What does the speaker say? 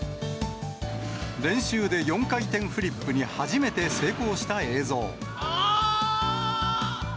練習で４回転フリップに初めて成功した映像。